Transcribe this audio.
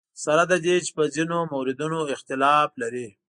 سره له دې چې په ځینو موردونو اختلاف لري.